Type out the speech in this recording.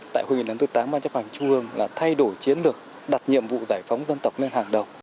tại hội nghị năm hai nghìn một mươi tám ban chấp hành trung ương là thay đổi chiến lược đặt nhiệm vụ giải phóng dân tộc lên hàng đầu